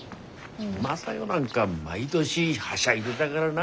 雅代なんか毎年はしゃいでだからな。